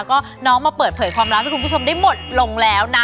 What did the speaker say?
ก็น้องมาเปิดเผยความลับให้คุณผู้ชมได้หมดลงแล้วนะ